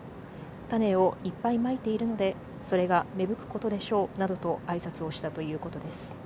種をいっぱいまいているので、それが芽吹くことでしょうなどとあいさつをしたということです。